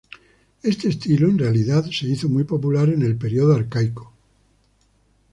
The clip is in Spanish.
Este estilo en realidad se hizo muy popular en el Período Arcaico.